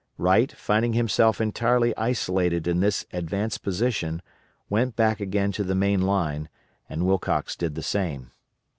Wright, finding himself entirely isolated in this advanced position, went back again to the main line, and Wilcox did the same.